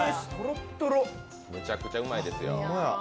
むちゃくちゃうまいですよ。